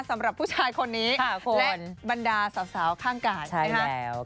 สำหรับผู้ชายคนนี้ค่ะคนและบรรดาสาวสาวข้างก่อนใช่แล้ว